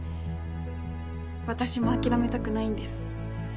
私も諦めたくないんです